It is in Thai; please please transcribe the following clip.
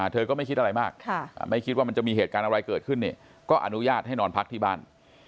เธอก็ไม่คิดอะไรมากไม่คิดว่ามันจะมีเหตุการณ์อะไรเกิดขึ้นเนี่ยก็อนุญาตให้นอนพักที่บ้าน